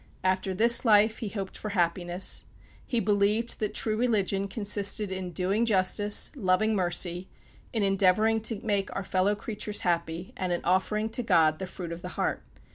After this life he hoped for happiness. He believed that true religion consisted in doing justice, loving mercy, in endeavoring to make our fellow creatures happy, and in offering to God the fruit of the heart.